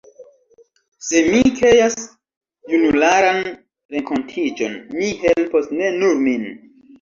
Se mi kreas junularan renkontiĝon, mi helpos ne nur min.